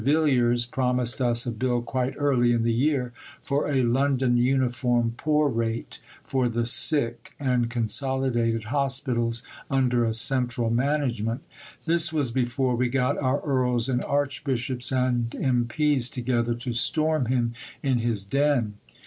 Villiers promised us a Bill quite early in the year for a London uniform Poor Rate for the sick and consolidated hospitals under a central management. (This was before we got our Earls and Archbishops and M.P.'s together to storm him in his den.)